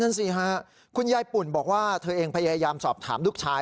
สิฮะคุณยายปุ่นบอกว่าเธอเองพยายามสอบถามลูกชาย